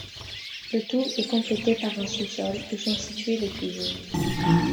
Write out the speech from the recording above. Le tout est complété par un sous-sol où sont situées les cuisines.